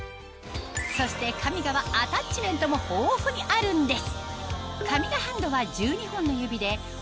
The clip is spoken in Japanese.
そしてカミガはアタッチメントも豊富にあるんです